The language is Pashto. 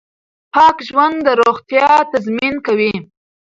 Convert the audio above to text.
پاک ژوند د روغتیا تضمین کوي.